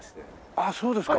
ああそうですか。